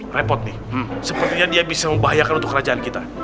repot nih sepertinya dia bisa membahayakan untuk kerajaan kita